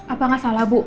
apa gak salah bu